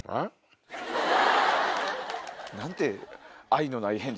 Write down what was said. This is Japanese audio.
何て。